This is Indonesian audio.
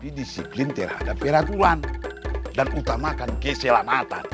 di disiplin terhadap peraturan dan utamakan keselamatan